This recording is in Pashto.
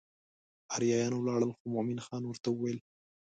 اریان ولاړ خو مومن خان ورته وویل.